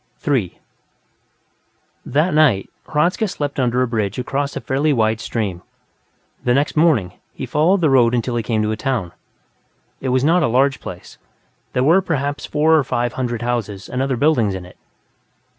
3 That night, Hradzka slept under a bridge across a fairly wide stream; the next morning, he followed the road until he came to a town. It was not a large place; there were perhaps four or five hundred houses and other buildings in it.